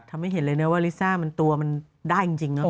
ทำให้เห็นเลยนะว่าลิซ่ามันตัวมันได้จริงเนอะ